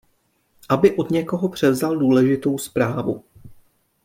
Aby od někoho převzal důležitou zprávu.